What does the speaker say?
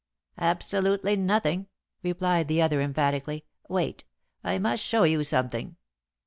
"Absolutely nothing," replied the other emphatically. "Wait! I must show you something."